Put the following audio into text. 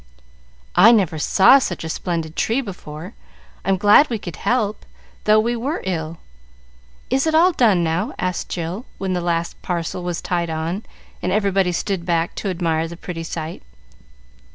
"I never saw such a splendid tree before. I'm glad we could help, though we were ill. Is it all done now?" asked Jill, when the last parcel was tied on and everybody stood back to admire the pretty sight.